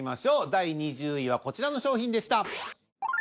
第２０位はこちらの商品でした。